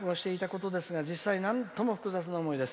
実際になんとも複雑な思いです。